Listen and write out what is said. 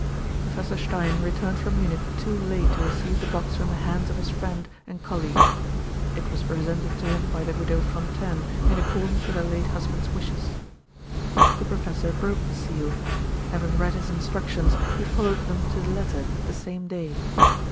"Professor Stein returned from Munich too late to receive the box from the hands of his friend and colleague. It was presented to him by the Widow Fontaine, in accordance with her late husband's wishes. "The Professor broke the seal. Having read his Instructions, he followed them to the letter, the same day.